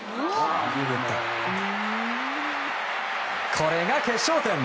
これが決勝点。